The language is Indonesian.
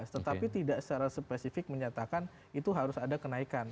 tetapi tidak secara spesifik menyatakan itu harus ada kenaikan